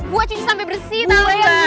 gue nyuci sampe bersih tau gak